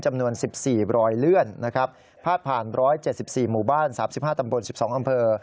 จำนวน๑๔รอยเลื่อนนะครับพาดผ่าน๑๗๔หมู่บ้าน๓๕ตำบล๑๒อำเภอ